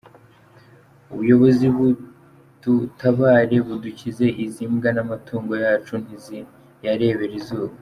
Ubuyobozi budutabare budukize izi mbwa n’amatungo yacu ntiziyarebera izuba.